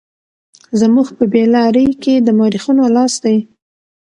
زموږ په بې لارۍ کې د مورخينو لاس دی.